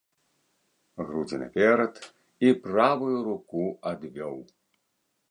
Грудзі наперад і правую руку адвёў.